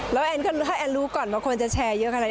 แล้วแอนก็ให้แอนรู้ก่อนว่าคนจะแชร์เยอะขนาดนี้